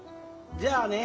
じゃあね。